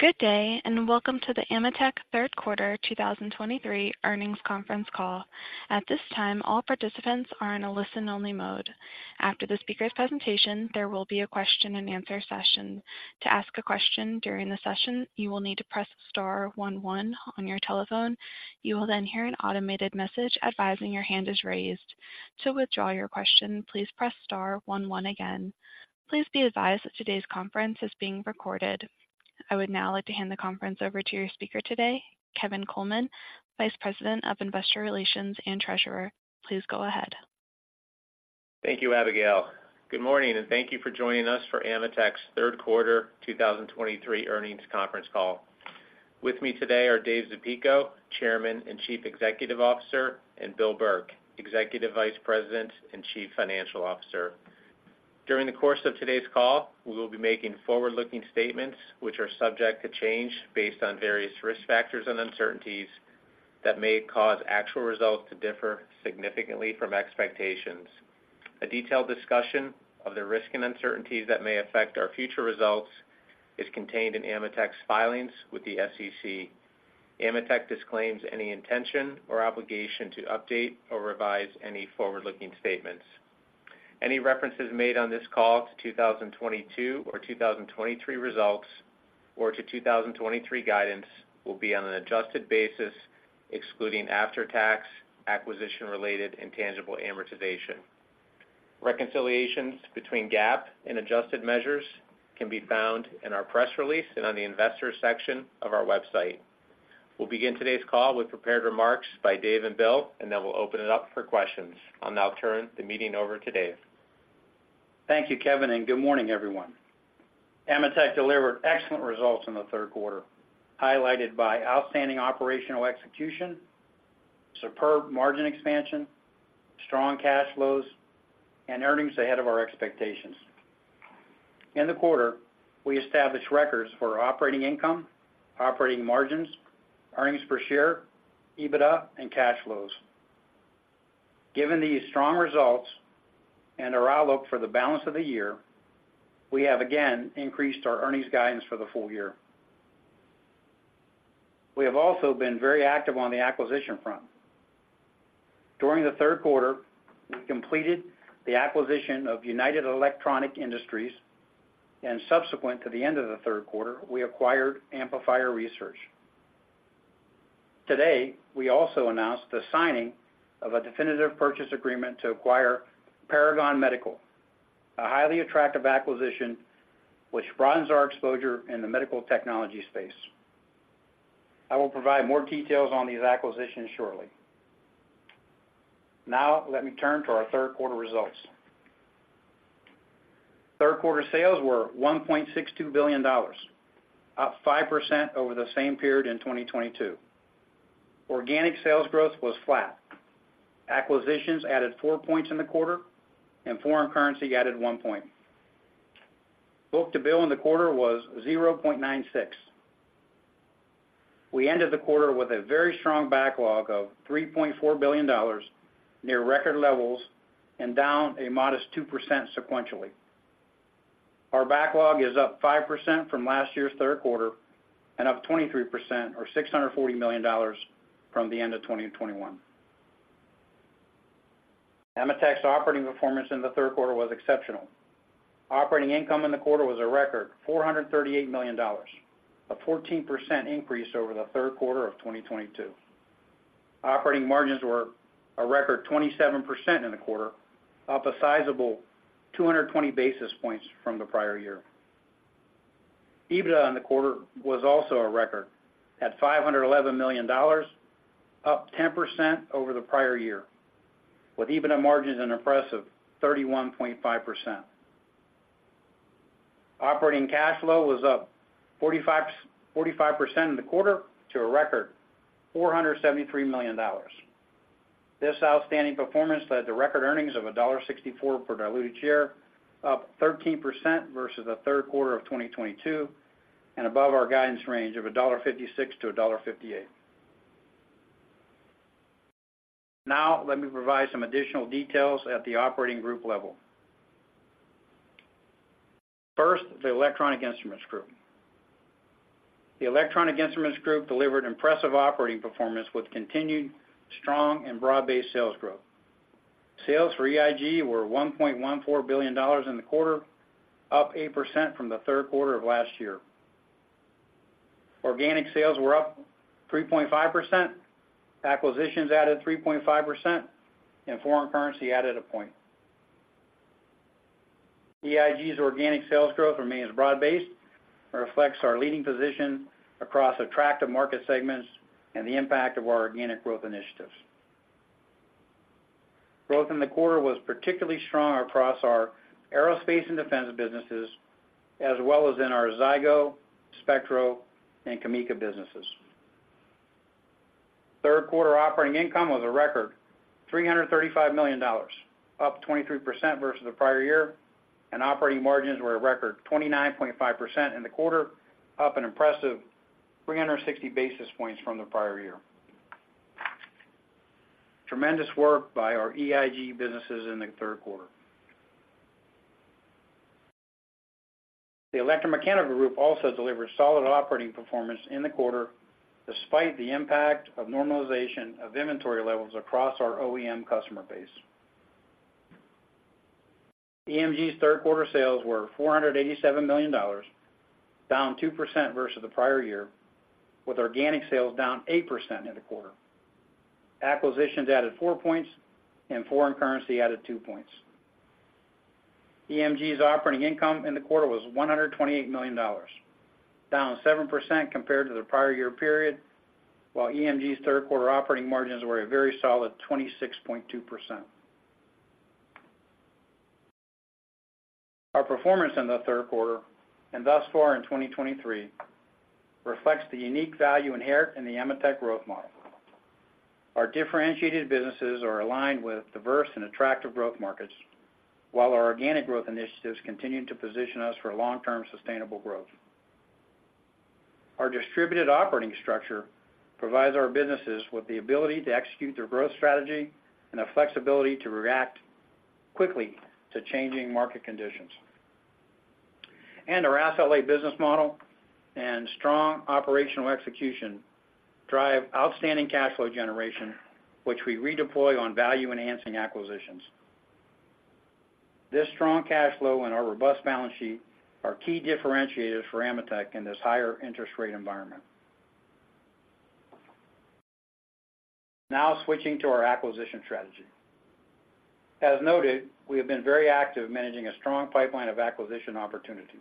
Good day, and welcome to the AMETEK third quarter 2023 earnings conference call. At this time, all participants are in a listen-only mode. After the speaker's presentation, there will be a question-and-answer session. To ask a question during the session, you will need to press star one one on your telephone. You will then hear an automated message advising your hand is raised. To withdraw your question, please press star one one again. Please be advised that today's conference is being recorded. I would now like to hand the conference over to your speaker today, Kevin Coleman, Vice President of Investor Relations and Treasurer. Please go ahead. Thank you, Abigail. Good morning, and thank you for joining us for AMETEK's third quarter 2023 earnings conference call. With me today are Dave Zapico, Chairman and Chief Executive Officer, and Bill Burke, Executive Vice President and Chief Financial Officer. During the course of today's call, we will be making forward-looking statements, which are subject to change based on various risk factors and uncertainties that may cause actual results to differ significantly from expectations. A detailed discussion of the risks and uncertainties that may affect our future results is contained in AMETEK's filings with the SEC. AMETEK disclaims any intention or obligation to update or revise any forward-looking statements. Any references made on this call to 2022 or 2023 results, or to 2023 guidance, will be on an adjusted basis, excluding after-tax, acquisition-related, and tangible amortization. Reconciliations between GAAP and adjusted measures can be found in our press release and on the Investors section of our website. We'll begin today's call with prepared remarks by Dave and Bill, and then we'll open it up for questions. I'll now turn the meeting over to Dave. Thank you, Kevin, and good morning, everyone. AMETEK delivered excellent results in the third quarter, highlighted by outstanding operational execution, superb margin expansion, strong cash flows, and earnings ahead of our expectations. In the quarter, we established records for operating income, operating margins, earnings per share, EBITDA, and cash flows. Given these strong results and our outlook for the balance of the year, we have again increased our earnings guidance for the full year. We have also been very active on the acquisition front. During the third quarter, we completed the acquisition of United Electronic Industries, and subsequent to the end of the third quarter, we acquired Amplifier Research. Today, we also announced the signing of a definitive purchase agreement to acquire Paragon Medical, a highly attractive acquisition which broadens our exposure in the medical technology space. I will provide more details on these acquisitions shortly. Now, let me turn to our third quarter results. Third-quarter sales were $1.62 billion, up 5% over the same period in 2022. Organic sales growth was flat. Acquisitions added 4 points in the quarter, and foreign currency added 1 point. Book-to-bill in the quarter was 0.96. We ended the quarter with a very strong backlog of $3.4 billion, near record levels and down a modest 2% sequentially. Our backlog is up 5% from last year's third quarter and up 23%, or $640 million from the end of 2021. AMETEK's operating performance in the third quarter was exceptional. Operating income in the quarter was a record $438 million, a 14% increase over the third quarter of 2022. Operating margins were a record 27% in the quarter, up a sizable 220 basis points from the prior year. EBITDA in the quarter was also a record at $511 million, up 10% over the prior year, with EBITDA margins an impressive 31.5%. Operating cash flow was up 45% in the quarter to a record $473 million. This outstanding performance led to record earnings of $1.64 per diluted share, up 13% versus the third quarter of 2022, and above our guidance range of $1.56-$1.58. Now, let me provide some additional details at the operating group level. First, the Electronic Instruments Group. The Electronic Instruments Group delivered impressive operating performance with continued strong and broad-based sales growth. Sales for EIG were $1.14 billion in the quarter, up 8% from the third quarter of last year. Organic sales were up 3.5%, acquisitions added 3.5%, and foreign currency added 1%. EIG's organic sales growth remains broad-based and reflects our leading position across attractive market segments and the impact of our organic growth initiatives. Growth in the quarter was particularly strong across our Aerospace & Defense businesses, as well as in our Zygo, SPECTRO, and CAMECA businesses. Third quarter operating income was a record $335 million, up 23% versus the prior year, and operating margins were a record 29.5% in the quarter, up an impressive 360 basis points from the prior year. Tremendous work by our EIG businesses in the third quarter. The Electromechanical Group also delivered solid operating performance in the quarter, despite the impact of normalization of inventory levels across our OEM customer base. EMG's third quarter sales were $487 million, down 2% versus the prior year, with organic sales down 8% in the quarter. Acquisitions added 4 points, and foreign currency added 2 points. EMG's operating income in the quarter was $128 million, down 7% compared to the prior year period, while EMG's third quarter operating margins were a very solid 26.2%. Our performance in the third quarter, and thus far in 2023, reflects the unique value inherent in the AMETEK growth model. Our differentiated businesses are aligned with diverse and attractive growth markets, while our organic growth initiatives continue to position us for long-term sustainable growth. Our distributed operating structure provides our businesses with the ability to execute their growth strategy and the flexibility to react quickly to changing market conditions. Our asset-light business model and strong operational execution drive outstanding cash flow generation, which we redeploy on value-enhancing acquisitions. This strong cash flow and our robust balance sheet are key differentiators for AMETEK in this higher interest rate environment. Now switching to our acquisition strategy. As noted, we have been very active managing a strong pipeline of acquisition opportunities.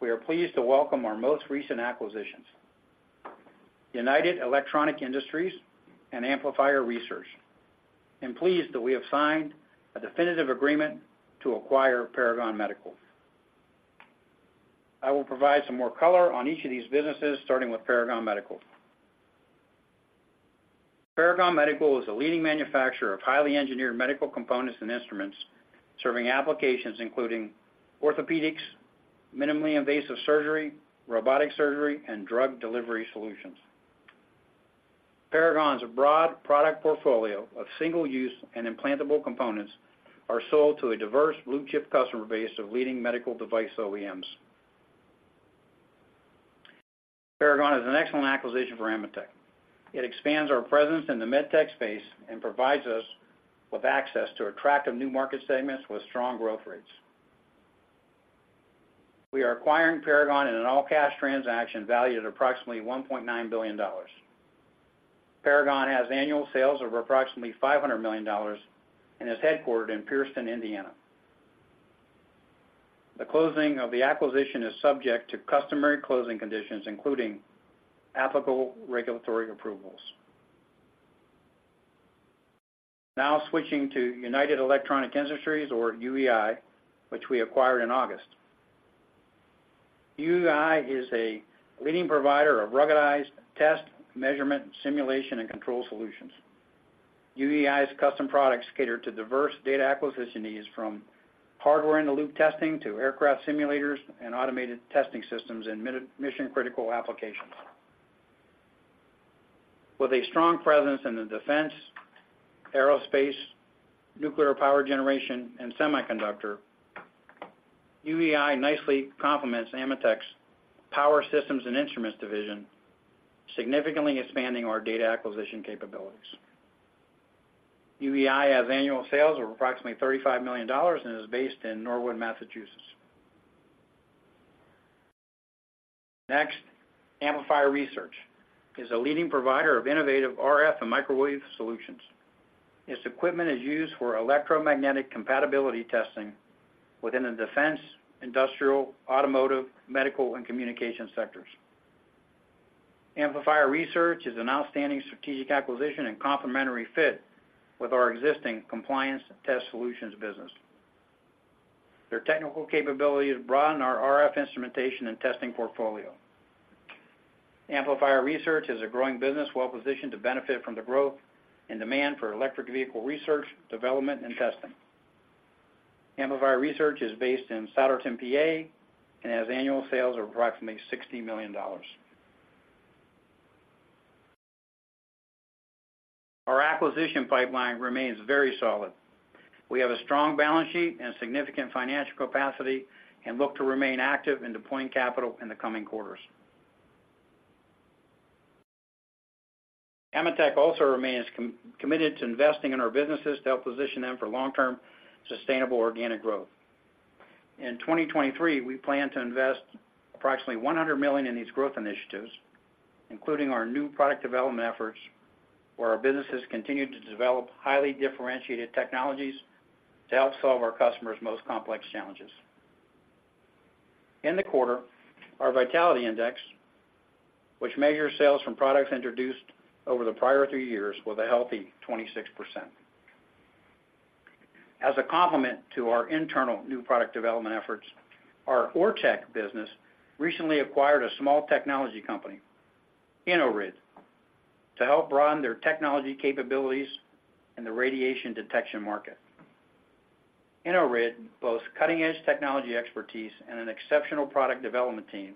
We are pleased to welcome our most recent acquisitions, United Electronic Industries and Amplifier Research, and pleased that we have signed a definitive agreement to acquire Paragon Medical. I will provide some more color on each of these businesses, starting with Paragon Medical. Paragon Medical is a leading manufacturer of highly Engineered Medical Components and instruments, serving applications including orthopedics, minimally invasive surgery, robotic surgery, and drug delivery solutions. Paragon's broad product portfolio of single-use and implantable components are sold to a diverse blue-chip customer base of leading medical device OEMs. Paragon is an excellent acquisition for AMETEK. It expands our presence in the MedTech space and provides us with access to attractive new market segments with strong growth rates. We are acquiring Paragon in an all-cash transaction valued at approximately $1.9 billion. Paragon has annual sales of approximately $500 million and is headquartered in Pierceton, Indiana. The closing of the acquisition is subject to customary closing conditions, including applicable regulatory approvals. Now switching to United Electronic Industries or UEI, which we acquired in August. UEI is a leading provider of ruggedized test, measurement, simulation, and control solutions. UEI's custom products cater to diverse data acquisition needs, from hardware-in-the-loop testing to aircraft simulators and automated testing systems in mission-critical applications. With a strong presence in the defense, aerospace, nuclear power generation, and semiconductor, UEI nicely complements AMETEK's Power Systems and Instruments division, significantly expanding our data acquisition capabilities. UEI has annual sales of approximately $35 million and is based in Norwood, Massachusetts. Next, Amplifier Research is a leading provider of innovative RF and microwave solutions. Its equipment is used for electromagnetic compatibility testing within the defense, industrial, automotive, medical, and communication sectors. Amplifier Research is an outstanding strategic acquisition and complementary fit with our existing Compliance Test Solutions business. Their technical capabilities broaden our RF instrumentation and testing portfolio. Amplifier Research is a growing business, well-positioned to benefit from the growth and demand for electric vehicle research, development, and testing. Amplifier Research is based in Souderton, PA, and has annual sales of approximately $60 million. Our acquisition pipeline remains very solid. We have a strong balance sheet and significant financial capacity and look to remain active in deploying capital in the coming quarters. AMETEK also remains committed to investing in our businesses to help position them for long-term, sustainable organic growth. In 2023, we plan to invest approximately $100 million in these growth initiatives, including our new product development efforts, where our businesses continue to develop highly differentiated technologies to help solve our customers' most complex challenges. In the quarter, our vitality index, which measures sales from products introduced over the prior three years, was a healthy 26%. As a complement to our internal new product development efforts, our ORTEC business recently acquired a small technology company, innoRIID, to help broaden their technology capabilities in the radiation detection market. innoRIID [brings] both cutting-edge technology expertise and an exceptional product development team,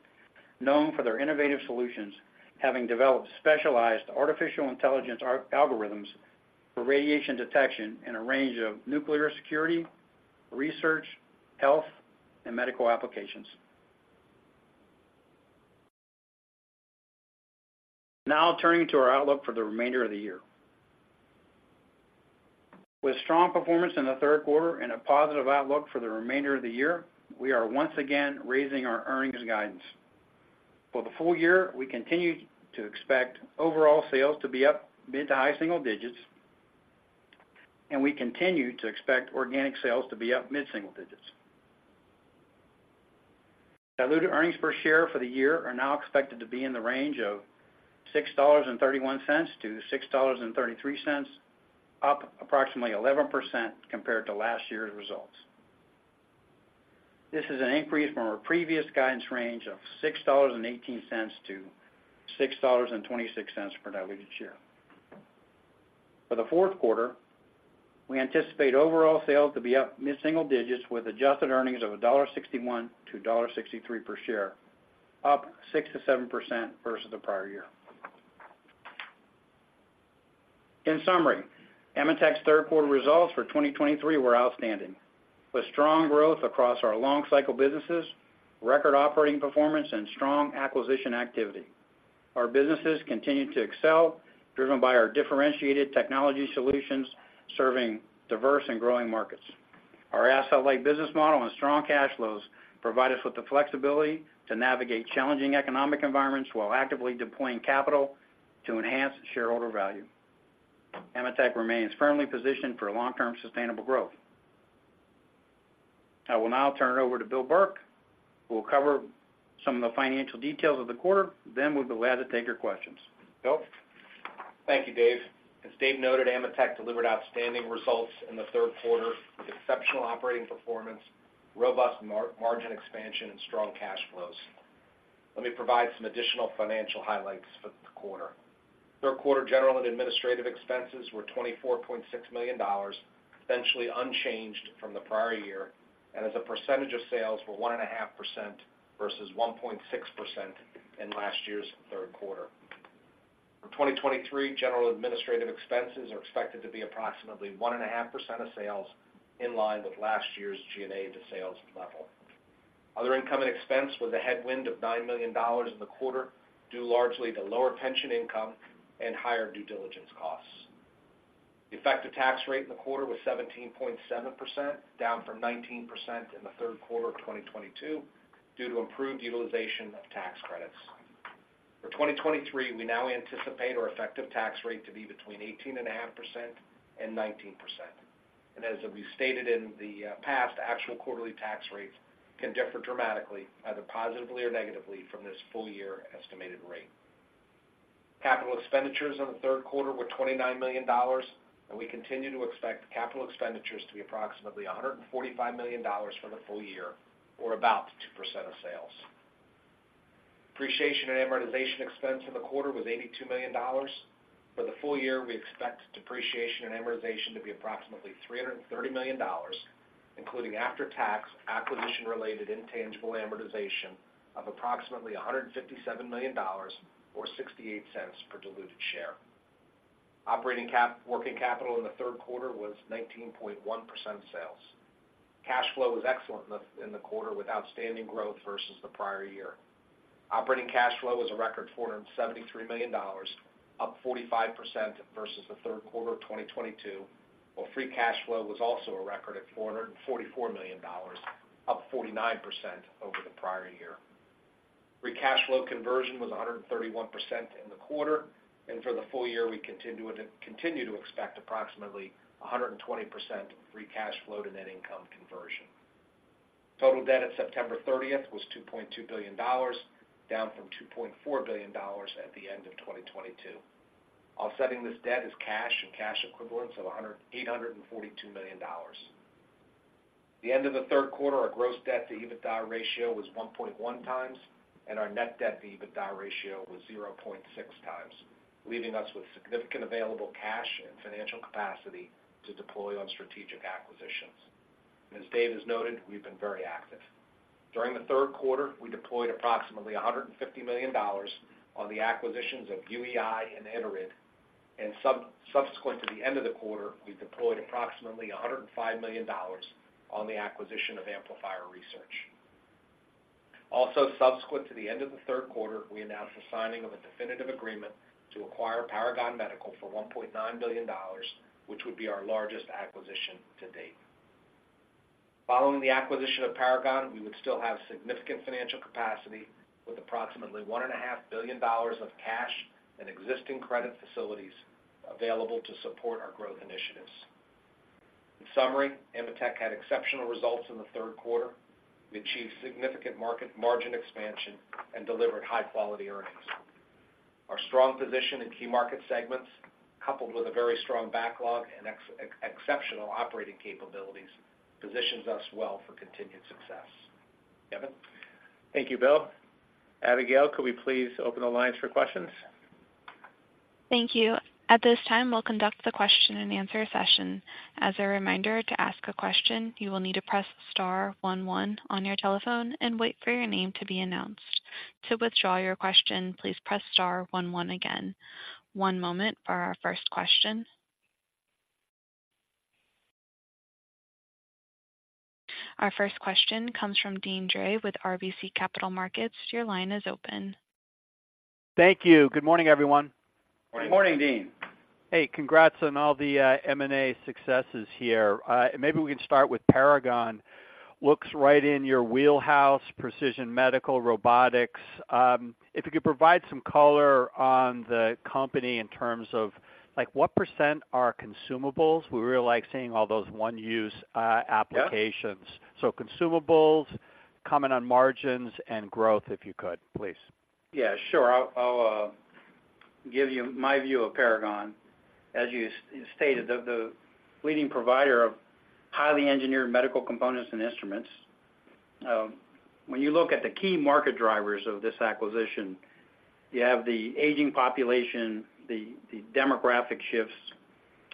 known for their innovative solutions, having developed specialized artificial intelligence algorithms for radiation detection in a range of nuclear security, research, health, and medical applications. Now turning to our outlook for the remainder of the year. With strong performance in the third quarter and a positive outlook for the remainder of the year, we are once again raising our earnings guidance. For the full year, we continue to expect overall sales to be up mid- to high-single digits, and we continue to expect organic sales to be up mid-single digits. Diluted earnings per share for the year are now expected to be in the range of $6.31-$6.33, up approximately 11% compared to last year's results. This is an increase from our previous guidance range of $6.18-$6.26 per diluted share. For the fourth quarter, we anticipate overall sales to be up mid-single digits, with adjusted earnings of $1.61-$1.63 per share, up 6%-7% versus the prior year. In summary, AMETEK's third quarter results for 2023 were outstanding, with strong growth across our long cycle businesses, record operating performance, and strong acquisition activity. Our businesses continue to excel, driven by our differentiated technology solutions, serving diverse and growing markets. Our asset-light business model and strong cash flows provide us with the flexibility to navigate challenging economic environments while actively deploying capital to enhance shareholder value. AMETEK remains firmly positioned for long-term sustainable growth. I will now turn it over to Bill Burke, who will cover some of the financial details of the quarter, then we'll be glad to take your questions. Bill? Thank you, Dave. As Dave noted, AMETEK delivered outstanding results in the third quarter, with exceptional operating performance, robust margin expansion, and strong cash flows. Let me provide some additional financial highlights for the quarter. Third quarter general and administrative expenses were $24.6 million, essentially unchanged from the prior year, and as a percentage of sales were 1.5% versus 1.6% in last year's third quarter. For 2023, general administrative expenses are expected to be approximately 1.5% of sales, in line with last year's G&A to sales level. Other income and expense was a headwind of $9 million in the quarter, due largely to lower pension income and higher due diligence costs. The effective tax rate in the quarter was 17.7%, down from 19% in the third quarter of 2022, due to improved utilization of tax credits. For 2023, we now anticipate our effective tax rate to be between 18.5% and 19%. As we've stated in the past, actual quarterly tax rates can differ dramatically, either positively or negatively, from this full-year estimated rate. Capital expenditures in the third quarter were $29 million, and we continue to expect capital expenditures to be approximately $145 million for the full year, or about 2% of sales. Depreciation and amortization expense in the quarter was $82 million. For the full year, we expect depreciation and amortization to be approximately $330 million, including after-tax, acquisition-related intangible amortization of approximately $157 million or $0.68 per diluted share. Operating working capital in the third quarter was 19.1% sales. Cash flow was excellent in the quarter, with outstanding growth versus the prior year. Operating cash flow was a record $473 million, up 45% versus the third quarter of 2022, while free cash flow was also a record at $444 million, up 49% over the prior year. Free cash flow conversion was 131% in the quarter, and for the full year, we continue to expect approximately 120% free cash flow to net income conversion. Total debt at September 30 was $2.2 billion, down from $2.4 billion at the end of 2022. Offsetting this debt is cash and cash equivalents of $182 million. At the end of the third quarter, our gross debt to EBITDA ratio was 1.1x, and our net debt to EBITDA ratio was 0.6x, leaving us with significant available cash and financial capacity to deploy on strategic acquisitions. As Dave has noted, we've been very active. During the third quarter, we deployed approximately $150 million on the acquisitions of UEI and innoRIID, and subsequent to the end of the quarter, we deployed approximately $105 million on the acquisition of Amplifier Research. Also, subsequent to the end of the third quarter, we announced the signing of a definitive agreement to acquire Paragon Medical for $1.9 billion, which would be our largest acquisition to date. Following the acquisition of Paragon, we would still have significant financial capacity, with approximately $1.5 billion of cash and existing credit facilities available to support our growth initiatives. In summary, AMETEK had exceptional results in the third quarter. We achieved significant market margin expansion and delivered high-quality earnings. Our strong position in key market segments, coupled with a very strong backlog and exceptional operating capabilities, positions us well for continued success. Kevin? Thank you, Bill. Abigail, could we please open the lines for questions? Thank you. At this time, we'll conduct the question and answer session. As a reminder, to ask a question, you will need to press star one one on your telephone and wait for your name to be announced. To withdraw your question, please press star one one again. One moment for our first question. Our first question comes from Deane Dray with RBC Capital Markets. Your line is open. Thank you. Good morning, everyone. Good morning, Deane. Hey, congrats on all the M&A successes here. Maybe we can start with Paragon. Looks right in your wheelhouse, precision medical robotics. If you could provide some color on the company in terms of like, what % are consumables? We really like seeing all those one use applications. Yeah. So consumables, comment on margins and growth, if you could, please? Yeah, sure. I'll give you my view of Paragon. As you stated, the leading provider of highly Engineered Medical Components and instruments. When you look at the key market drivers of this acquisition, you have the aging population, the demographic shifts.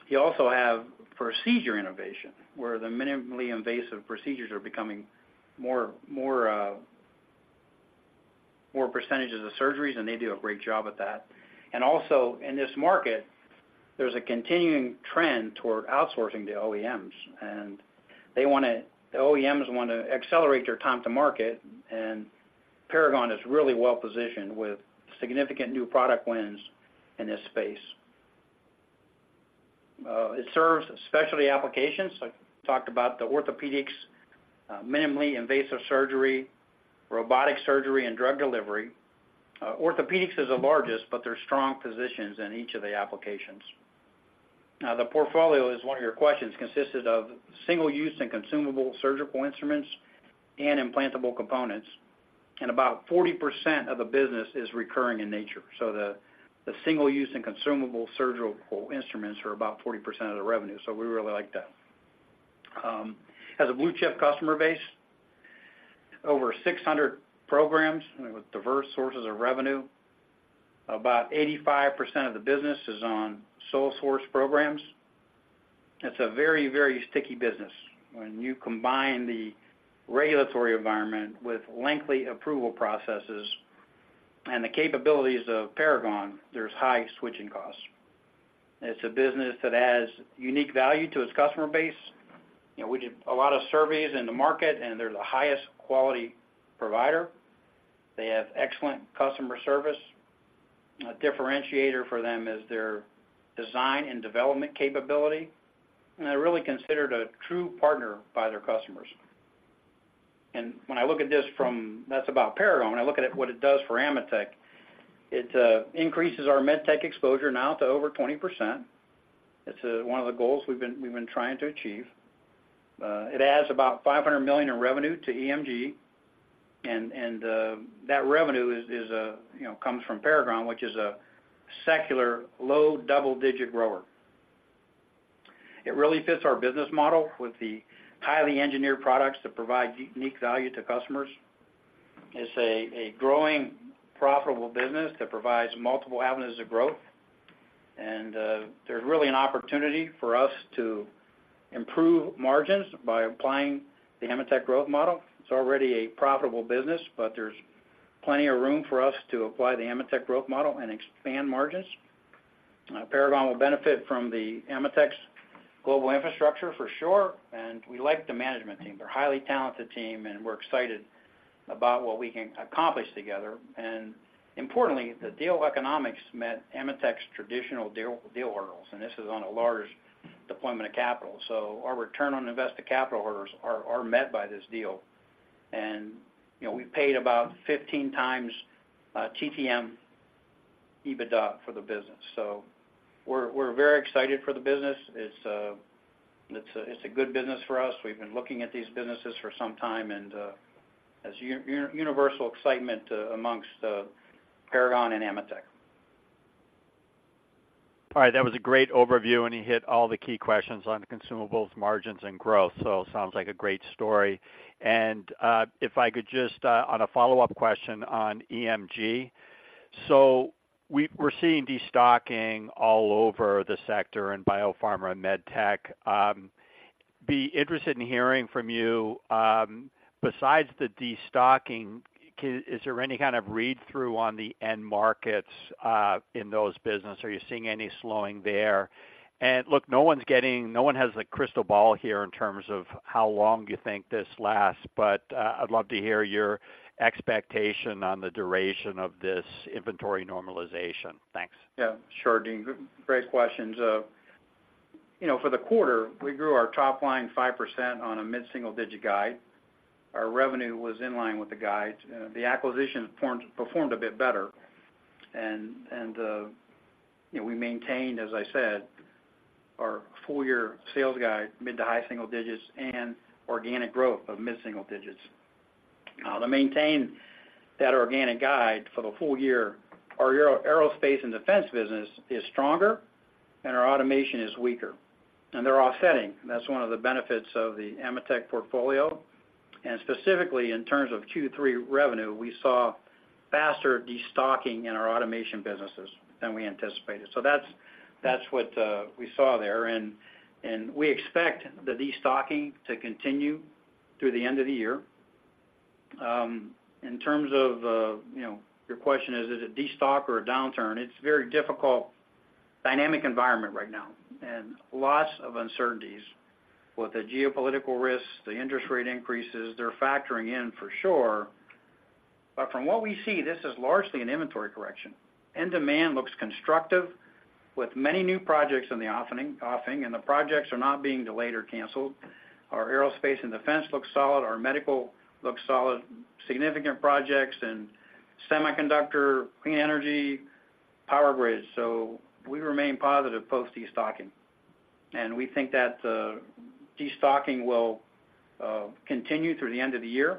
You also have procedure innovation, where the minimally invasive procedures are becoming more percentages of surgeries, and they do a great job at that. And also, in this market, there's a continuing trend toward outsourcing the OEMs, and the OEMs want to accelerate their time to market, and Paragon is really well positioned with significant new product wins in this space. It serves specialty applications, like we talked about the orthopedics, minimally invasive surgery, robotic surgery, and drug delivery. Orthopedics is the largest, but there are strong positions in each of the applications. Now, the portfolio is one of your questions, consisted of single-use and consumable surgical instruments and implantable components, and about 40% of the business is recurring in nature. So the single-use and consumable surgical instruments are about 40% of the revenue, so we really like that. Has a blue-chip customer base, over 600 programs with diverse sources of revenue. About 85% of the business is on sole source programs. It's a very, very sticky business. When you combine the regulatory environment with lengthy approval processes and the capabilities of Paragon, there's high switching costs. It's a business that adds unique value to its customer base. You know, we did a lot of surveys in the market, and they're the highest quality provider. They have excellent customer service. A differentiator for them is their design and development capability, and they're really considered a true partner by their customers. And when I look at this from... That's about Paragon. When I look at it, what it does for AMETEK, it increases our MedTech exposure now to over 20%. It's one of the goals we've been trying to achieve. It adds about $500 million in revenue to EMG, and that revenue is, you know, comes from Paragon, which is a secular, low double-digit grower. It really fits our business model with the highly engineered products that provide unique value to customers. It's a growing, profitable business that provides multiple avenues of growth, and there's really an opportunity for us to improve margins by applying the AMETEK growth model. It's already a profitable business, but there's plenty of room for us to apply the AMETEK growth model and expand margins. Paragon will benefit from the AMETEK's global infrastructure for sure, and we like the management team. They're a highly talented team, and we're excited about what we can accomplish together. Importantly, the deal economics met AMETEK's traditional deal hurdles, and this is on a large deployment of capital. So our return on invested capital hurdles are met by this deal. And, you know, we paid about 15x TTM EBITDA for the business. So we're very excited for the business. It's a good business for us. We've been looking at these businesses for some time, and as universal excitement amongst Paragon and AMETEK. All right. That was a great overview, and you hit all the key questions on the consumables, margins, and growth, so sounds like a great story. And, if I could just, on a follow-up question on EMG. So we're seeing destocking all over the sector in biopharma and MedTech. Be interested in hearing from you, besides the destocking, is there any kind of read-through on the end markets, in those business? Are you seeing any slowing there? And look, no one has a crystal ball here in terms of how long you think this lasts, but, I'd love to hear your expectation on the duration of this inventory normalization. Thanks. Yeah, sure, Deane. Great questions. You know, for the quarter, we grew our top line 5% on a mid-single digit guide. Our revenue was in line with the guides. The acquisition performed a bit better. And, you know, we maintained, as I said, our full year sales guide, mid to high single digits and organic growth of mid-single digits. To maintain that organic guide for the full year, our Aerospace & Defense business is stronger and our automation is weaker, and they're offsetting. That's one of the benefits of the AMETEK portfolio. And specifically, in terms of Q3 revenue, we saw faster destocking in our automation businesses than we anticipated. So that's what we saw there. And we expect the destocking to continue through the end of the year. In terms of, you know, your question, is it a destock or a downturn? It's very difficult, dynamic environment right now, and lots of uncertainties. With the geopolitical risks, the interest rate increases, they're factoring in for sure. But from what we see, this is largely an inventory correction. End demand looks constructive, with many new projects in the offing, and the projects are not being delayed or canceled. Our Aerospace & Defense looks solid, our medical looks solid, significant projects in semiconductor, clean energy, power grids. So we remain positive post-destocking, and we think that destocking will continue through the end of the year.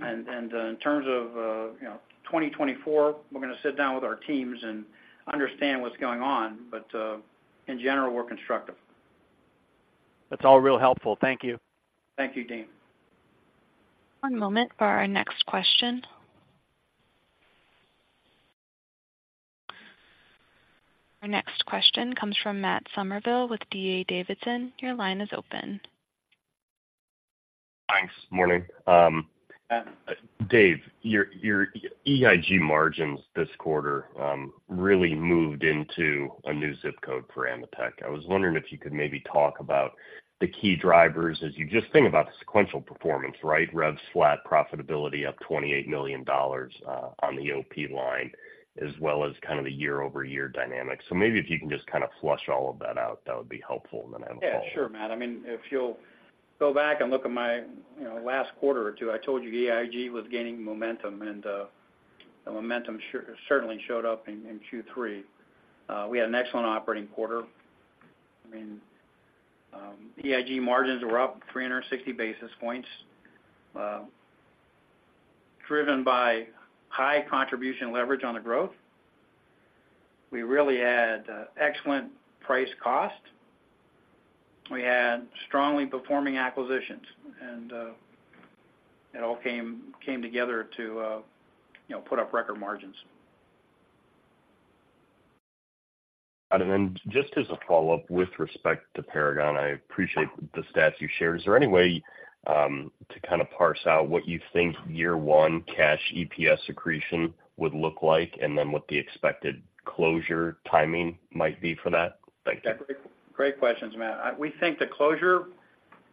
In terms of, you know, 2024, we're going to sit down with our teams and understand what's going on, but in general, we're constructive. That's all real helpful. Thank you. Thank you, Deane. One moment for our next question. Our next question comes from Matt Summerville with D.A. Davidson. Your line is open. Thanks. Morning. Dave, your, your EIG margins this quarter, really moved into a new ZIP code for AMETEK. I was wondering if you could maybe talk about the key drivers as you just think about the sequential performance, right? Rev flat profitability up $28 million, on the OP line, as well as kind of the year-over-year dynamics. So maybe if you can just kind of flush all of that out, that would be helpful, and then I have a follow-up. Yeah, sure, Matt. I mean, if you'll go back and look at my, you know, last quarter or two, I told you EIG was gaining momentum, and, the momentum certainly showed up in Q3. We had an excellent operating quarter. I mean, EIG margins were up 360 basis points, driven by high contribution leverage on the growth. We really had excellent price cost. We had strongly performing acquisitions, and, it all came together to, you know, put up record margins. And then just as a follow-up, with respect to Paragon, I appreciate the stats you shared. Is there any way, to kind of parse out what you think year one cash EPS accretion would look like, and then what the expected closure timing might be for that? Thank you. Great questions, Matt. We think the closure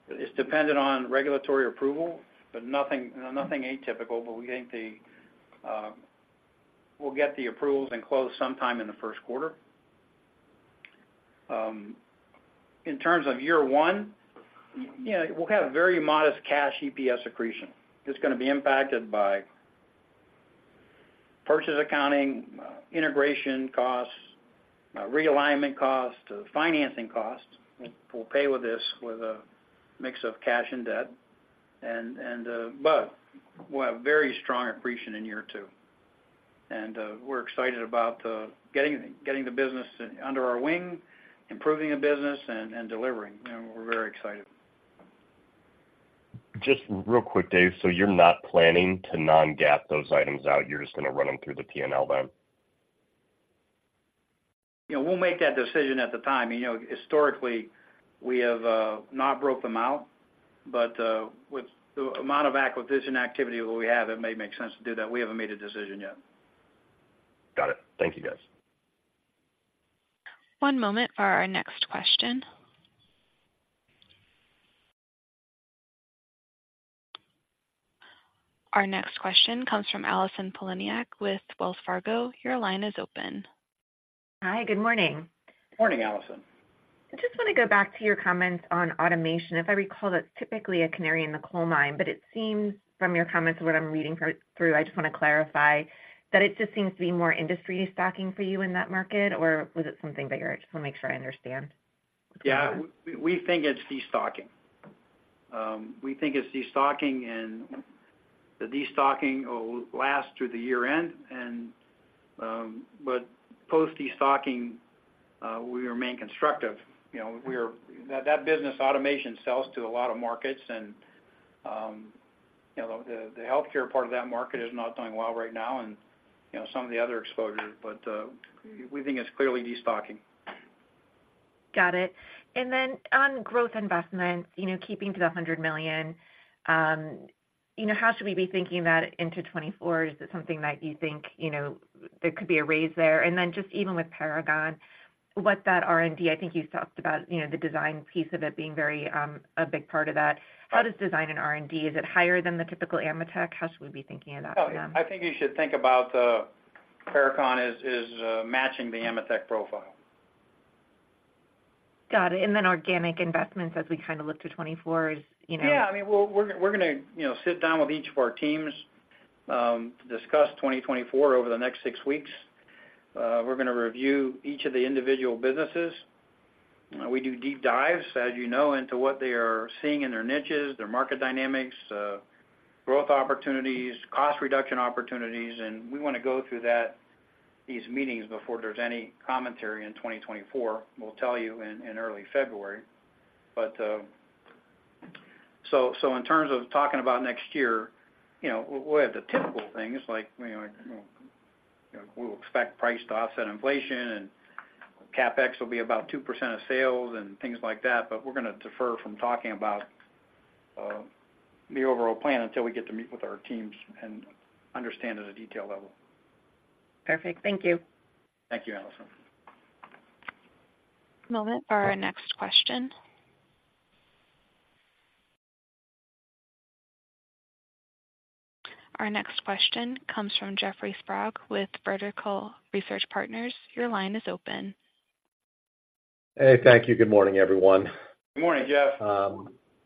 is dependent on regulatory approval, but nothing, nothing atypical, but we think the, we'll get the approvals and close sometime in the first quarter. In terms of year one, yeah, we'll have very modest cash EPS accretion. It's going to be impacted by purchase accounting, integration costs, realignment costs, financing costs. We'll pay with this with a mix of cash and debt and, and -- But we'll have very strong accretion in year two. And, we're excited about, getting, getting the business under our wing, improving the business, and, and delivering. You know, we're very excited. Just real quick, Dave, so you're not planning to non-GAAP those items out, you're just going to run them through the P&L then? Yeah, we'll make that decision at the time. You know, historically, we have not broke them out, but with the amount of acquisition activity that we have, it may make sense to do that. We haven't made a decision yet. Got it. Thank you, guys. One moment for our next question. Our next question comes from Allison Poliniak with Wells Fargo. Your line is open. Hi, good morning. Morning, Allison. I just want to go back to your comments on automation. If I recall, that's typically a canary in the coal mine, but it seems from your comments, what I'm reading through, I just want to clarify, that it just seems to be more industry destocking for you in that market, or was it something bigger? I just want to make sure I understand. Yeah, we think it's destocking. We think it's destocking, and the destocking will last through the year end, and, but post-destocking, we remain constructive. You know, that business automation sells to a lot of markets, and, you know, the healthcare part of that market is not doing well right now, and, you know, some of the other exposures, but, we think it's clearly destocking. Got it. And then on growth investments, you know, keeping to the $100 million, you know, how should we be thinking about it into 2024? Is it something that you think, you know, there could be a raise there? And then just even with Paragon, what that R&D, I think you talked about, you know, the design piece of it being very, a big part of that. How does design and R&D, is it higher than the typical AMETEK? How should we be thinking about that? I think you should think about Paragon as matching the AMETEK profile. Got it. And then organic investments as we kind of look to 2024 is, you know- Yeah, I mean, we're going to, you know, sit down with each of our teams to discuss 2024 over the next six weeks. We're going to review each of the individual businesses. We do deep dives, as you know, into what they are seeing in their niches, their market dynamics, growth opportunities, cost reduction opportunities, and we want to go through that, these meetings before there's any commentary in 2024. We'll tell you in early February. But so in terms of talking about next year, you know, we'll have the typical things like, you know, we'll expect price to offset inflation and CapEx will be about 2% of sales and things like that. But we're going to defer from talking about the overall plan until we get to meet with our teams and understand at a detail level. Perfect. Thank you. Thank you, Allison. Moment for our next question. Our next question comes from Jeffrey Sprague, with Vertical Research Partners. Your line is open. Hey, thank you. Good morning, everyone. Good morning, Jeff.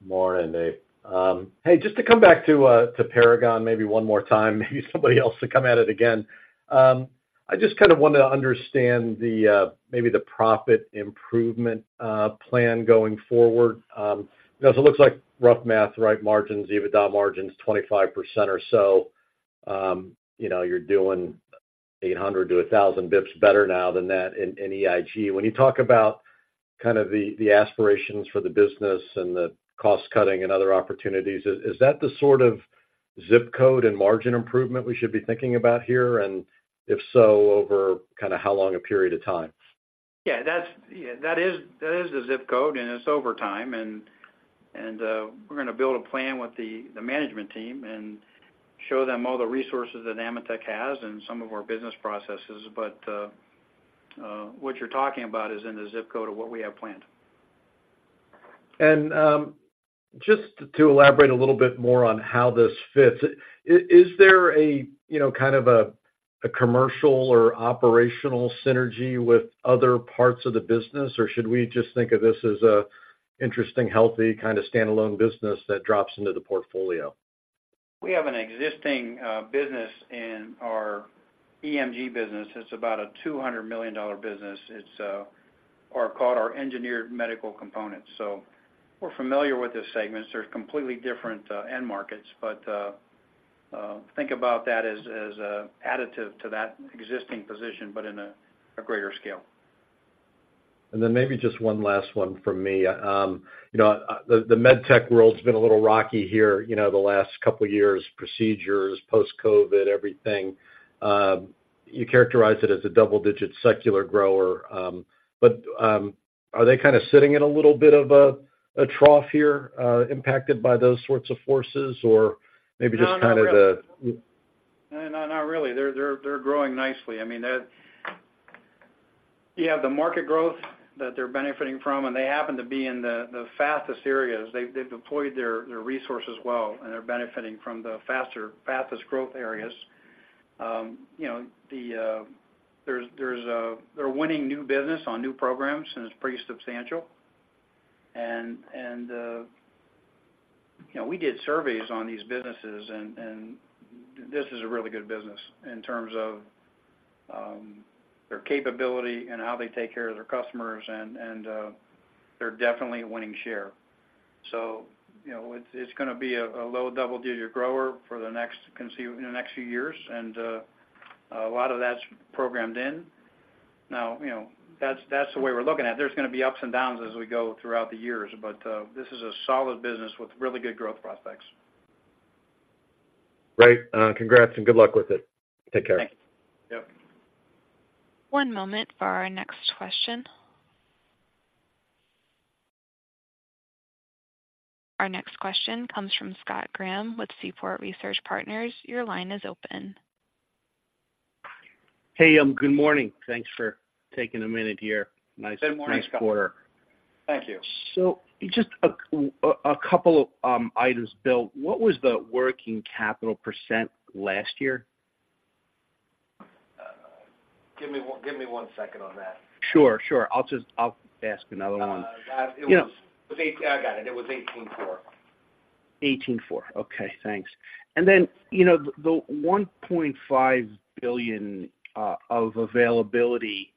Morning, Dave. Hey, just to come back to Paragon, maybe one more time, maybe somebody else to come at it again. I just kind of want to understand maybe the profit improvement plan going forward. Because it looks like rough math, right? Margins, EBITDA margins, 25% or so. You know, you're doing 800-1,000 basis points better now than that in EIG. When you talk about kind of the aspirations for the business and the cost cutting and other opportunities, is that the sort of zip code and margin improvement we should be thinking about here? And if so, over kind of how long a period of time? Yeah, that's the ZIP code, and it's over time. And we're going to build a plan with the management team and show them all the resources that AMETEK has and some of our business processes. But what you're talking about is in the ZIP code of what we have planned. Just to elaborate a little bit more on how this fits, is there a, you know, kind of a commercial or operational synergy with other parts of the business, or should we just think of this as an interesting, healthy, kind of standalone business that drops into the portfolio? We have an existing business in our EMG business. It's about a $200 million business. It's or called our Engineered Medical Components. So we're familiar with this segment. They're completely different end markets, but think about that as additive to that existing position, but in a greater scale. And then maybe just one last one from me. You know, the MedTech world's been a little rocky here, you know, the last couple of years, procedures, post-COVID, everything. You characterize it as a double-digit secular grower, but are they kind of sitting in a little bit of a trough here, impacted by those sorts of forces? Or maybe just kind of the- No, not really. They're growing nicely. I mean, you have the market growth that they're benefiting from, and they happen to be in the fastest areas. They've deployed their resources well, and they're benefiting from the fastest growth areas. You know, there's a, they're winning new business on new programs, and it's pretty substantial. And you know, we did surveys on these businesses, and this is a really good business in terms of their capability and how they take care of their customers, and they're definitely winning share. So, you know, it's going to be a low double-digit grower for the next, conceivably, in the next few years. And a lot of that's programmed in. Now, you know, that's the way we're looking at it. There's going to be ups and downs as we go throughout the years, but this is a solid business with really good growth prospects. Great. Congrats and good luck with it. Take care. Thanks. Yep. One moment for our next question. Our next question comes from Scott Graham with Seaport Research Partners. Your line is open. Hey, good morning. Thanks for taking a minute here. Good morning, Scott. Nice, nice quarter. Thank you. So just a couple of items, Bill. What was the working capital percent last year? Give me one second on that. Sure, sure. I'll ask another one. It was. Yeah. I got it. It was 18.4 18.4, okay, thanks. And then, you know, the $1.5 billion of availability,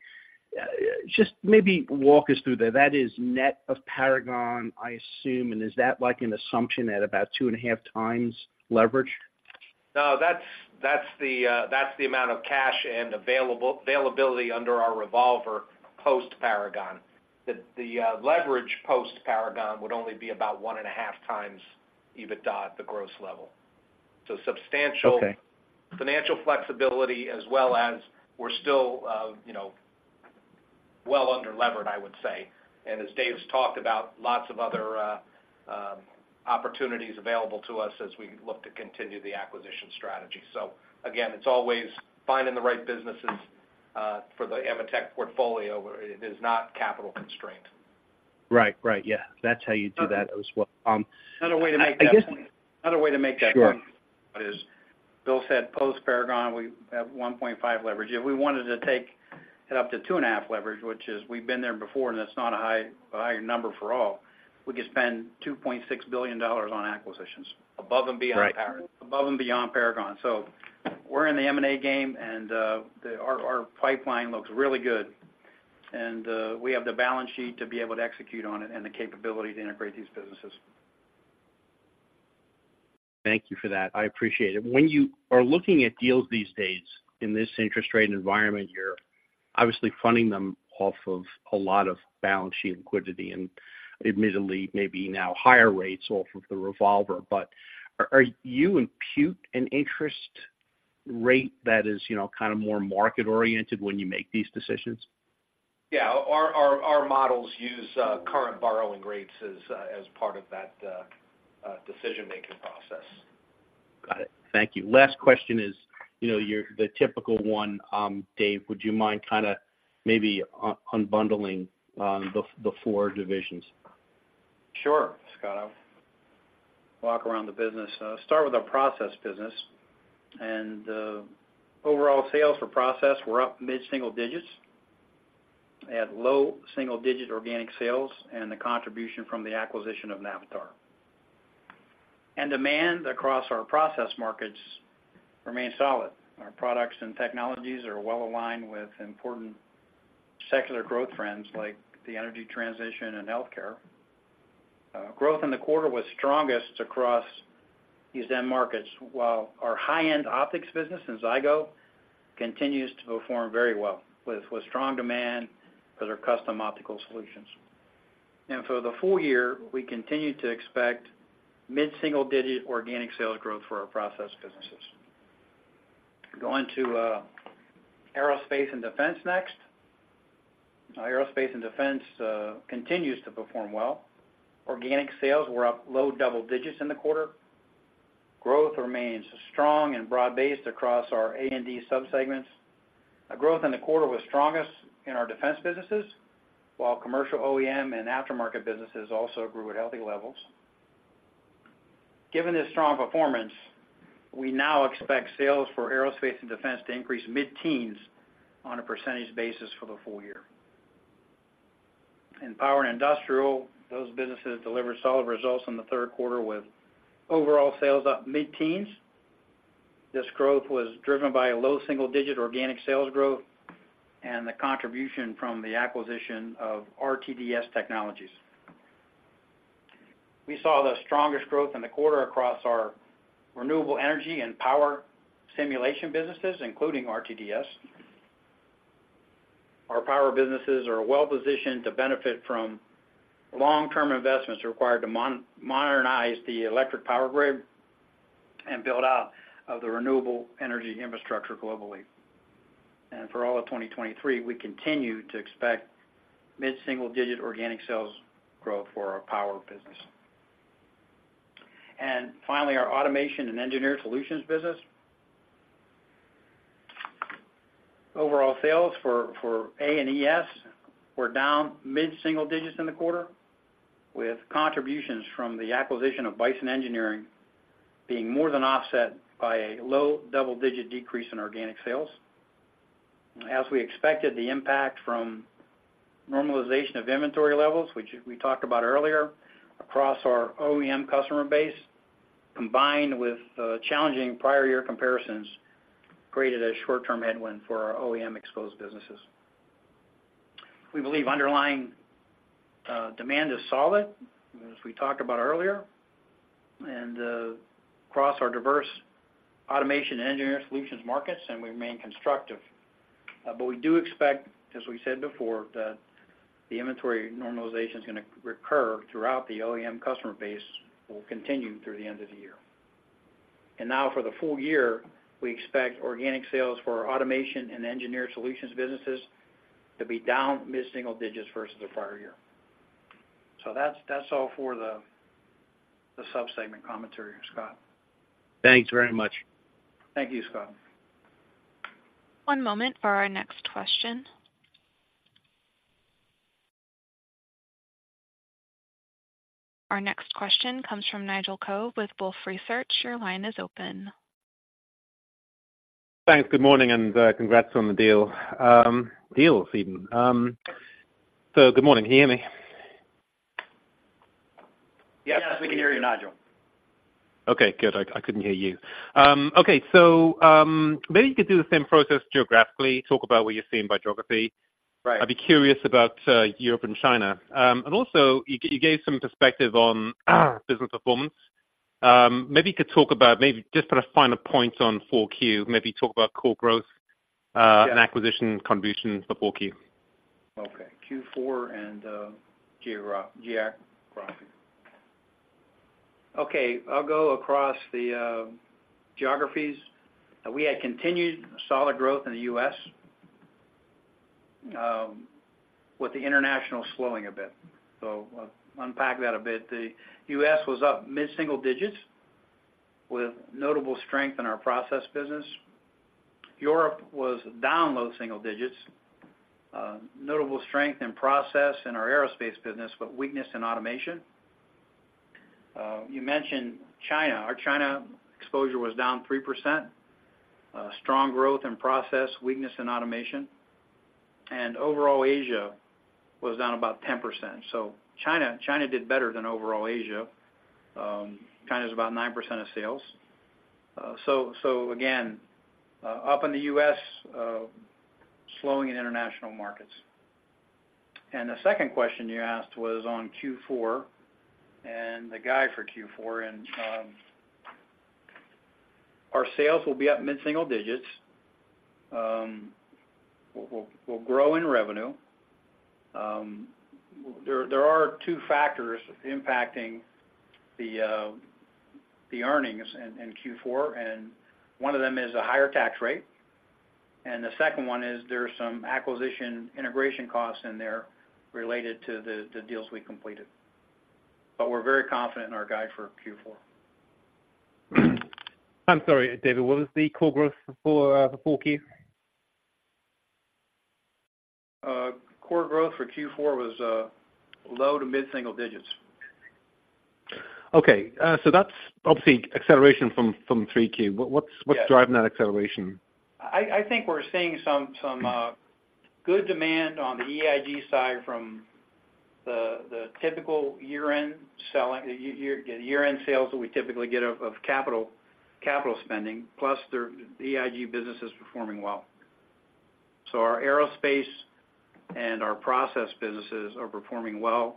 just maybe walk us through that. That is net of Paragon, I assume. And is that like an assumption at about 2.5x leverage? No, that's the amount of cash and availability under our revolver post Paragon. The leverage post Paragon would only be about 1.5x EBITDA at the gross level. So substantial- Okay. Financial flexibility, as well as we're still, you know, well under levered, I would say. And as Dave's talked about, lots of other opportunities available to us as we look to continue the acquisition strategy. So again, it's always finding the right businesses for the AMETEK portfolio. It is not capital constrained. Right. Right. Yeah, that's how you do that as well. Another way to make that point- I guess- Another way to make that point- Sure. As Bill said, post Paragon, we have 1.5 leverage. If we wanted to take it up to 2.5 leverage, which is, we've been there before, and that's not a high, a higher number for all, we could spend $2.6 billion on acquisitions. Above and beyond Paragon. Right. Above and beyond Paragon. We're in the M&A game, and our pipeline looks really good. We have the balance sheet to be able to execute on it and the capability to integrate these businesses. Thank you for that. I appreciate it. When you are looking at deals these days in this interest rate environment, you're obviously funding them off of a lot of balance sheet liquidity, and admittedly, maybe now higher rates off of the revolver. But are you imputing an interest rate that is, you know, kind of more market-oriented when you make these decisions? Yeah, our models use current borrowing rates as part of that decision-making process. Got it. Thank you. Last question is, you know, the typical one. Dave, would you mind kind of maybe unbundling the four divisions? Sure, Scott, I'll walk around the business. Start with our process business, and overall sales for process were up mid-single digits, at low single digit organic sales, and the contribution from the acquisition of Navitar. Demand across our process markets remain solid. Our products and technologies are well aligned with important secular growth trends, like the energy transition and healthcare. Growth in the quarter was strongest across these end markets, while our high-end optics business in Zygo continues to perform very well, with strong demand for their custom optical solutions. For the full year, we continue to expect mid-single digit organic sales growth for our process businesses. Going to Aerospace & Defense next. Our Aerospace & Defense continues to perform well. Organic sales were up low double digits in the quarter. Growth remains strong and broad-based across our A&D subsegments. A growth in the quarter was strongest in our defense businesses, while commercial OEM and aftermarket businesses also grew at healthy levels. Given this strong performance, we now expect sales for Aerospace & Defense to increase mid-teens on percentage basis for the full year. In Power & Industrial, those businesses delivered solid results in the third quarter, with overall sales up mid-teens. This growth was driven by a low single-digit organic sales growth and the contribution from the acquisition of RTDS Technologies. We saw the strongest growth in the quarter across our renewable energy and power simulation businesses, including RTDS. Our power businesses are well positioned to benefit from long-term investments required to modernize the electric power grid and build out of the renewable energy infrastructure globally. For all of 2023, we continue to expect mid-single-digit organic sales growth for our power business. Finally, our Automation & Engineered Solutions business. Overall sales for A&ES were down mid-single digits in the quarter, with contributions from the acquisition of Bison Engineering being more than offset by a low double-digit decrease in organic sales. As we expected, the impact from normalization of inventory levels, which we talked about earlier, across our OEM customer base, combined with challenging prior year comparisons, created a short-term headwind for our OEM-exposed businesses. We believe underlying demand is solid, as we talked about earlier, and across our diverse Automation & Engineered Solutions markets, and we remain constructive. But we do expect, as we said before, that the inventory normalization is gonna recur throughout the OEM customer base will continue through the end of the year. And now for the full year, we expect organic sales for our Automation & Engineered Solutions businesses to be down mid-single digits versus the prior year. So that's all for the sub-segment commentary, Scott. Thanks very much. Thank you, Scott. One moment for our next question. Our next question comes from Nigel Coe with Wolfe Research. Your line is open. Thanks. Good morning, and congrats on the deal. Deals even. So good morning. Can you hear me? Yes, we can hear you, Nigel. Okay, good. I couldn't hear you. Okay. So, maybe you could do the same process geographically, talk about what you're seeing by geography. Right. I'd be curious about Europe and China. And also, you gave some perspective on business performance. Maybe you could talk about maybe just kind of final points on 4Q, maybe talk about core growth. Yeah and acquisition contributions for 4Q. Okay. Q4 and geography. Okay, I'll go across the geographies. We had continued solid growth in the U.S., with the international slowing a bit. So I'll unpack that a bit. The U.S. was up mid-single digits with notable strength in our process business. Europe was down low single digits, notable strength in process in our aerospace business, but weakness in automation. You mentioned China. Our China exposure was down 3%, strong growth in process, weakness in automation. And overall Asia was down about 10%. So China did better than overall Asia. China is about 9% of sales. So again, up in the U.S., slowing in international markets. And the second question you asked was on Q4 and the guide for Q4. And our sales will be up mid-single digits. We'll grow in revenue. There are two factors impacting the earnings in Q4, and one of them is a higher tax rate, and the second one is there's some acquisition integration costs in there related to the deals we completed. But we're very confident in our guide for Q4. I'm sorry, David, what was the core growth for, for 4Q? Core growth for Q4 was low to mid-single digits. Okay, so that's obviously acceleration from 3Q. Yes. But what's driving that acceleration? I think we're seeing some good demand on the EIG side from the typical year-end selling, year-end sales that we typically get of capital spending, plus the EIG business is performing well. So our aerospace and our process businesses are performing well,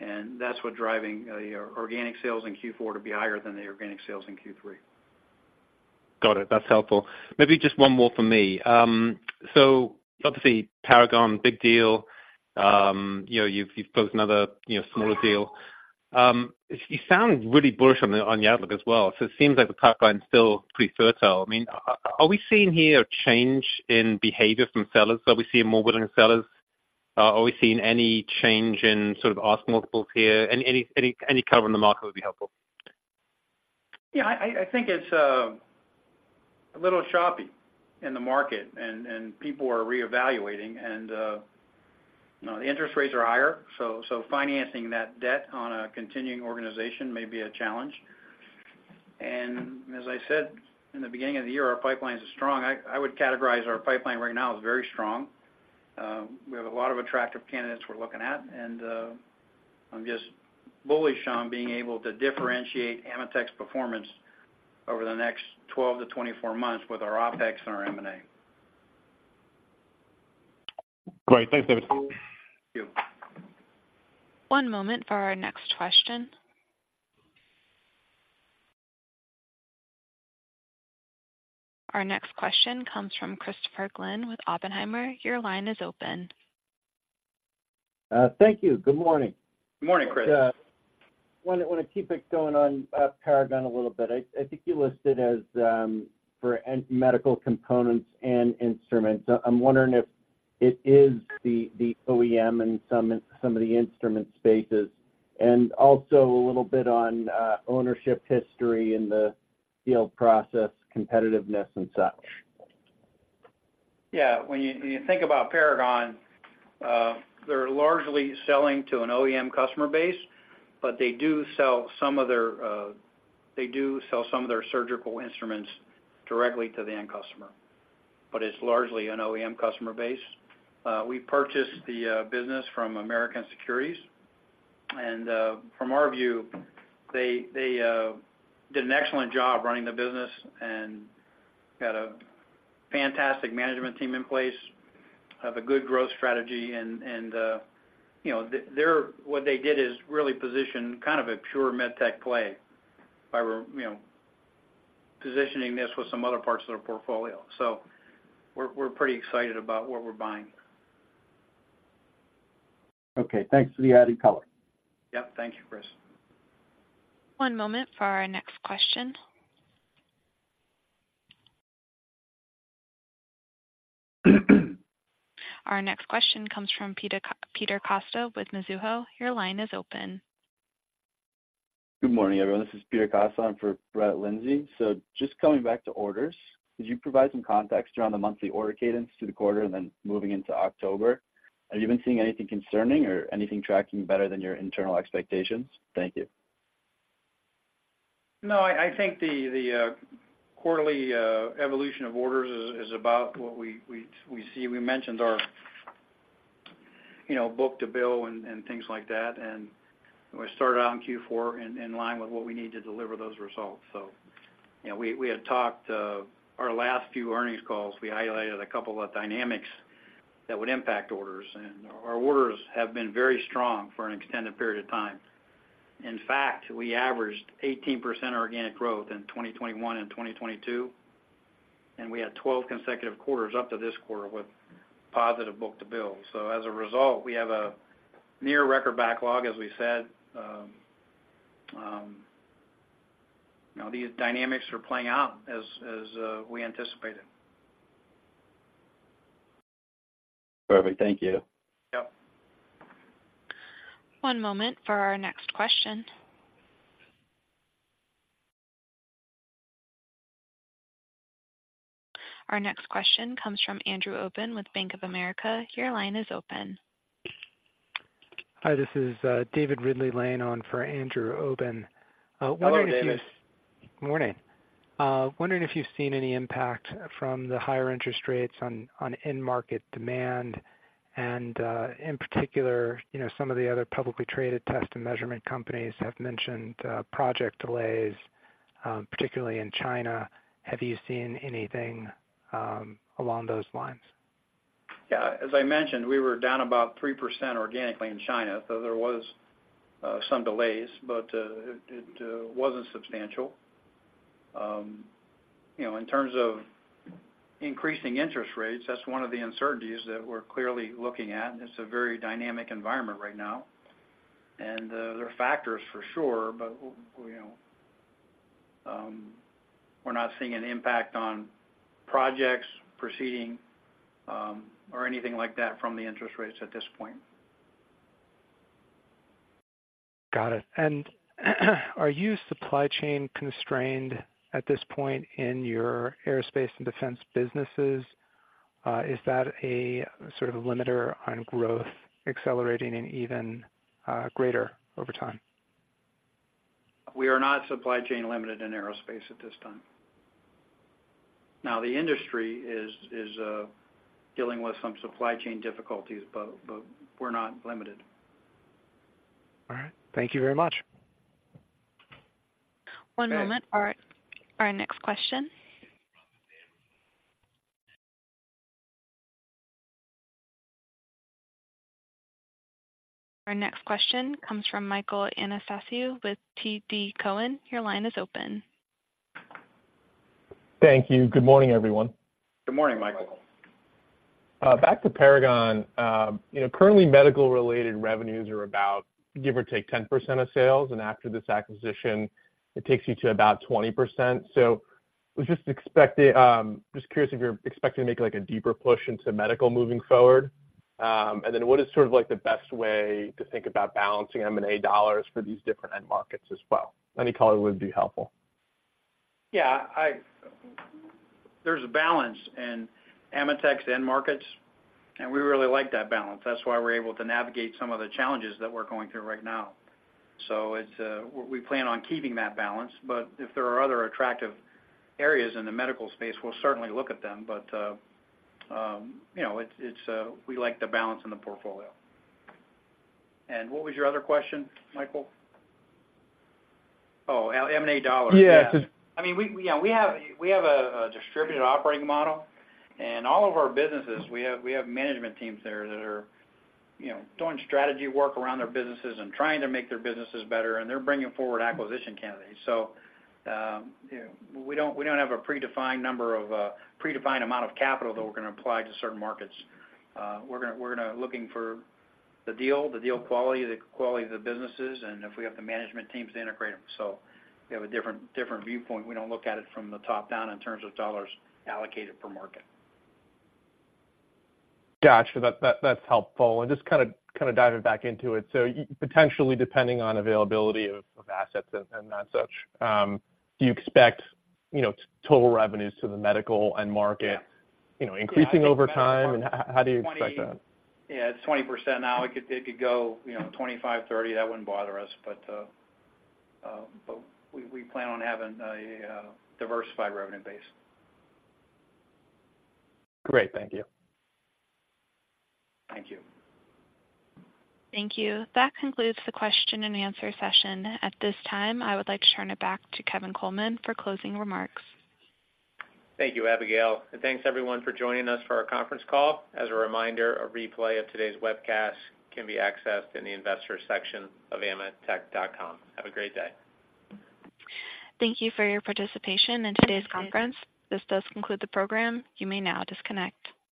and that's what driving your organic sales in Q4 to be higher than the organic sales in Q3. Got it. That's helpful. Maybe just one more from me. So obviously, Paragon, big deal. You know, you've closed another, you know, smaller deal. You sound really bullish on the outlook as well, so it seems like the pipeline is still pretty fertile. I mean, are we seeing here a change in behavior from sellers? Are we seeing more willing sellers? Are we seeing any change in sort of ask multiples here? Any color in the market would be helpful. Yeah, I think it's a little choppy in the market, and people are reevaluating, and you know, the interest rates are higher, so financing that debt on a continuing organization may be a challenge. And as I said, in the beginning of the year, our pipelines are strong. I would categorize our pipeline right now as very strong. We have a lot of attractive candidates we're looking at, and I'm just bullish on being able to differentiate AMETEK's performance over the next 12-24 months with our OpEx and our M&A. Great. Thanks, David. Thank you. One moment for our next question. Our next question comes from Christopher Glynn with Oppenheimer. Your line is open. Thank you. Good morning. Good morning, Chris. Want to keep it going on Paragon a little bit. I think you listed as for medical components and instruments. I'm wondering if it is the OEM in some of the instrument spaces, and also a little bit on ownership history and the deal process, competitiveness, and such. Yeah. When you, when you think about Paragon, they're largely selling to an OEM customer base, but they do sell some of their, they do sell some of their surgical instruments directly to the end customer, but it's largely an OEM customer base. We purchased the business from American Securities, and from our view, they did an excellent job running the business and had a fantastic management team in place, have a good growth strategy, and, you know, what they did is really position kind of a pure MedTech play by you know, repositioning this with some other parts of their portfolio. So we're pretty excited about what we're buying. Okay, thanks for the added color. Yep. Thank you, Chris. One moment for our next question. Our next question comes from Peter Costa with Mizuho. Your line is open. Good morning, everyone. This is Peter Costa. I'm for Brett Linzey. So just coming back to orders, could you provide some context around the monthly order cadence through the quarter and then moving into October? Have you been seeing anything concerning or anything tracking better than your internal expectations? Thank you. No, I think the quarterly evolution of orders is about what we see. We mentioned our, you know, book-to-bill and things like that, and we started out in Q4 in line with what we need to deliver those results. So, you know, we had talked our last few earnings calls, we highlighted a couple of dynamics that would impact orders, and our orders have been very strong for an extended period of time. In fact, we averaged 18% organic growth in 2021 and 2022, and we had 12 consecutive quarters up to this quarter with positive book-to-bill. So as a result, we have a near record backlog, as we said. You know, these dynamics are playing out as we anticipated. Perfect. Thank you. Yep. One moment for our next question. Our next question comes from Andrew Obin with Bank of America. Your line is open. Hi, this is David Ridley-Lane on for Andrew Obin. Wondering if you- Hello, David. Morning. Wondering if you've seen any impact from the higher interest rates on end market demand, and in particular, you know, some of the other publicly traded test and measurement companies have mentioned project delays, particularly in China. Have you seen anything along those lines? Yeah, as I mentioned, we were down about 3% organically in China, so there was some delays, but it wasn't substantial. You know, in terms of increasing interest rates, that's one of the uncertainties that we're clearly looking at, and it's a very dynamic environment right now. And there are factors for sure, but we're not seeing an impact on projects proceeding or anything like that from the interest rates at this point. Got it. And are you supply chain constrained at this point in your Aerospace & Defense businesses? Is that a sort of limiter on growth accelerating and even greater over time? We are not supply chain limited in aerospace at this time. Now, the industry is dealing with some supply chain difficulties, but we're not limited. All right. Thank you very much. One moment for our next question. Our next question comes from Michael Anastasiou with TD Cowen. Your line is open. Thank you. Good morning, everyone. Good morning, Michael. Back to Paragon, you know, currently, medical-related revenues are about, give or take, 10% of sales, and after this acquisition, it takes you to about 20%. So was just expecting. Just curious if you're expecting to make, like, a deeper push into medical moving forward? And then what is sort of like the best way to think about balancing M&A dollars for these different end markets as well? Any color would be helpful. Yeah, there's a balance in AMETEK's end markets, and we really like that balance. That's why we're able to navigate some of the challenges that we're going through right now. So it's we plan on keeping that balance, but if there are other attractive areas in the medical space, we'll certainly look at them. But you know, it's we like the balance in the portfolio. And what was your other question, Michael? Oh, M&A dollars. Yeah. I mean, you know, we have a distributed operating model, and all of our businesses, we have management teams there that are, you know, doing strategy work around their businesses and trying to make their businesses better, and they're bringing forward acquisition candidates. So, we don't have a predefined amount of capital that we're gonna apply to certain markets. We're gonna looking for the deal, the deal quality, the quality of the businesses, and if we have the management teams to integrate them. So we have a different viewpoint. We don't look at it from the top down in terms of dollars allocated per market. Gotcha. That, that's helpful. And just kind of diving back into it, so potentially, depending on availability of assets and that such, do you expect, you know, total revenues to the medical end market? - you know, increasing over time? Yeah, I think medical- And how do you expect that? Yeah, it's 20% now. It could, it could go, you know, 25, 30, that wouldn't bother us, but, but we, we plan on having a diversified revenue base. Great. Thank you. Thank you. Thank you. That concludes the question and answer session. At this time, I would like to turn it back to Kevin Coleman for closing remarks. Thank you, Abigail, and thanks everyone for joining us for our conference call. As a reminder, a replay of today's webcast can be accessed in the Investors section of ametek.com. Have a great day. Thank you for your participation in today's conference. This does conclude the program. You may now disconnect.